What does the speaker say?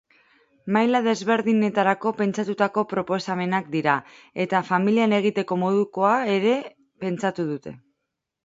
Maila desberdinetarako pentsatutako proposamenak dira eta familian egiteko modukoa ere prestatu dute.